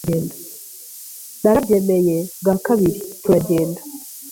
narabyemeye bwa kabiri turagenda